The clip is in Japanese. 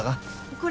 これ。